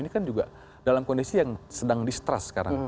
ini kan juga dalam kondisi yang sedang distrust sekarang